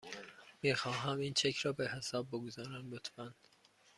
میخواهم این چک را به حساب بگذارم، لطفاً.